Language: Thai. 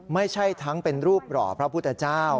ไม่ใช่ทั้งเป็นรูปหล่อพระพุทธเจ้า